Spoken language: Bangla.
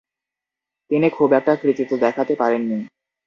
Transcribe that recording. তিনি খুব একটা কৃতিত্ব দেখাতে পারেন নি।